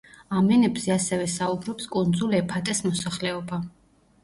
ამ ენებზე ასევე საუბრობს კუნძულ ეფატეს მოსახლეობა.